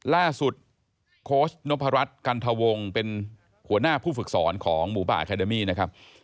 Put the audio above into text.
ล่าสุดโค้ชนมพรัชกันทวงเป็นหัวหน้าผู้ฝึกศรของบุปอาคาเดมีนะครับ